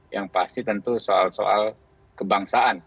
yang pasti tentu soal soal kebangsaan